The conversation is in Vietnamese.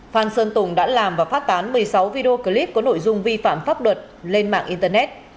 phan sơn tùng đã làm và phát tán một mươi sáu video clip có nội dung vi phạm pháp luật lên mạng internet